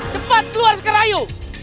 cepat keluar sekarang ayo